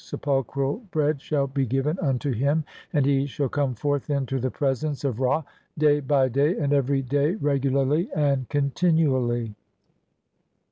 SEPULCHRAL BREAD SHALL BE GIVEN UNTO HIM, AND HE SHALL COME FORTH INTO THE PRESENCE [OF RA] DAY BY DAY, AND EVERY DAY, REGULARLY, AND CONTINUALLY.'